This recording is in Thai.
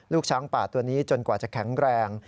ช้างป่าตัวนี้จนกว่าจะแข็งแรง